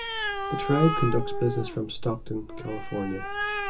The tribe conducts business from Stockton, California.